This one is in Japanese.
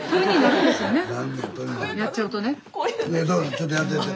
ちょっとやってやって。